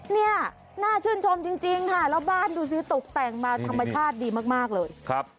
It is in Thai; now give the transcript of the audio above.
นี่น่าชื่นชมจริงค่ะแล้วบ้านดูสิตกแต่งมาธรรมชาติดีมากเลย